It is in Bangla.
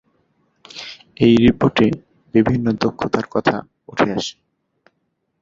এই রিপোর্টে বিভিন্ন দক্ষতার কথা উঠে আসে।